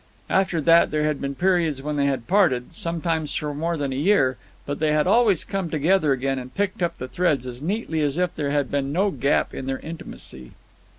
After that there had been periods when they had parted, sometimes for more than a year, but they had always come together again and picked up the threads as neatly as if there had been no gap in their intimacy.